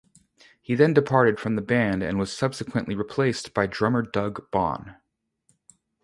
He then departed from the band and was subsequently replaced by drummer Doug Bohn.